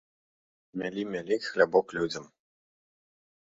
Мялі, мялі хлябок людзям!